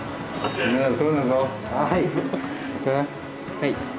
はい。